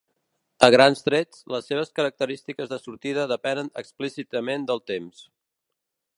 A grans trets, les seves característiques de sortida depenen explícitament del temps.